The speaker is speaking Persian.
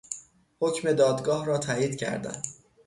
حکم دادگاه را تایید کردن